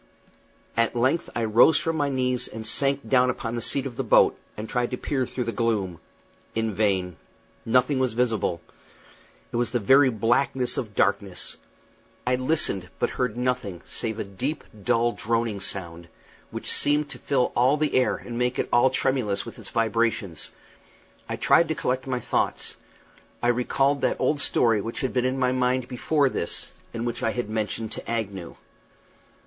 At length I rose from my knees and sank down upon the seat of the boat, and tried to peer through the gloom. In vain. Nothing was visible. It was the very blackness of darkness. I listened, but heard nothing save a deep, dull, droning sound, which seemed to fill all the air and make it all tremulous with its vibrations. I tried to collect my thoughts. I recalled that old theory which had been in my mind before this, and which I had mentioned to Agnew.